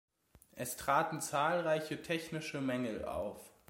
Es traten zahlreiche technische Mängel auf.